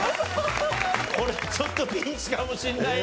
これちょっとピンチかもしれないね。